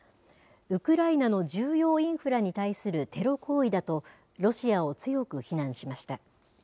ウクライナの重要インフラに対するテロ行為だと、ロシアを強く非難しました。